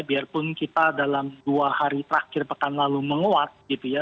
biarpun kita dalam dua hari terakhir pekan lalu menguat gitu ya